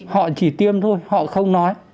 họ chỉ tiêm thôi họ không nói